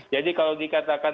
jadi kalau dikatakan